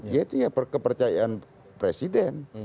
yaitu ya kepercayaan presiden